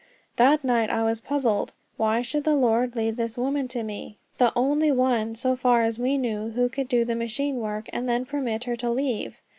That night I was puzzled. Why should the Lord lead this woman to me the only one, so far as we knew, who could do the machine work and then permit her to leave?